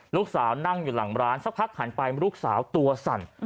ลูกสาวนั่งอยู่หลังร้านสักพักหันไปลูกสาวตัวสั่น